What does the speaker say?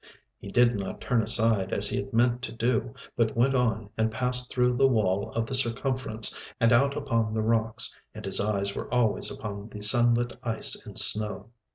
He did not turn aside as he had meant to do, but went on and passed through the wall of the circumference and out upon the rocks, and his eyes were always upon the sunlit ice and snow.